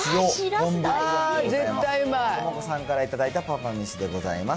ともこさんから頂いたパパめしでございます。